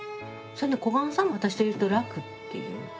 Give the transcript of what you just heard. それね小雁さんも私といると楽って言う。